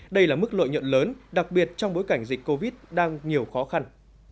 đây là mức lợi nhuận lớn đặc biệt trong bối cảnh dịch covid đang nhiều khó khăn